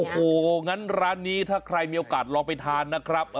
โอ้โหงั้นร้านนี้ถ้าใครมีโอกาสลองไปทานนะครับ